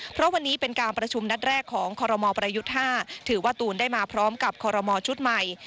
เพราะวันนี้เป็นการประชุมนัดแรกของคอรมอลประยุทธ์๕ถือว่าตูนได้มาพร้อมกับคอรมอลชุดใหม่